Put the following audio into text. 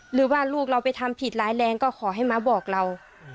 หรือว่าลูกเราไปทำผิดร้ายแรงก็ขอให้ม้าบอกเรา